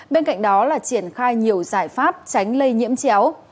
bên cạnh đó là triển khai nhiều giải pháp tránh lây nhiễm chéo